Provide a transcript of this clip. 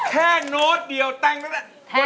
แค่โน้ตเดียวแต่งด้วยแหละ